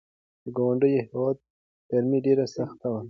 د ګاونډي هیواد ګرمي ډېره سخته وه.